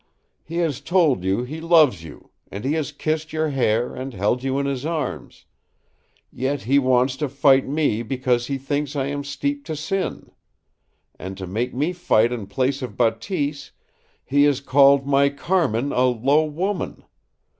He has told you he loves you, and he has kissed your hair and held you in his arms yet he wants to fight me because he thinks I am steeped in sin, and to make me fight in place of Bateese he has called my Carmin a low woman!